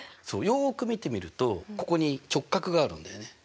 そうよく見てみるとここに直角があるんだよね。